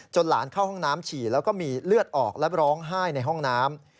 หลานเข้าห้องน้ำฉี่แล้วก็มีเลือดออกและร้องไห้ในห้องน้ำ